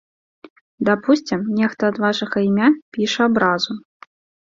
Дапусцім, нехта ад вашага імя піша абразу.